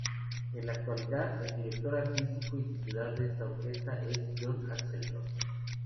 En la actualidad, el director artístico y titular de esta orquesta es John Axelrod.